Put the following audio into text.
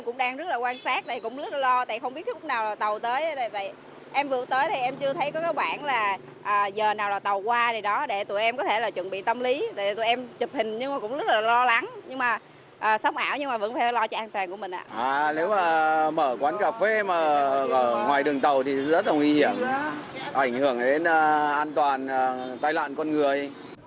nếu mà mở quán cà phê mà ở ngoài đường tàu thì rất là nguy hiểm ảnh hưởng đến an toàn tai loạn con người